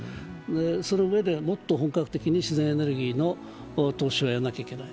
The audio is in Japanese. そのうえでもっと本格的に自然エネルギーの投資をやらなければいけない。